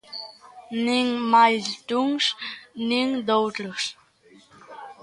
Nin máis duns nin doutros.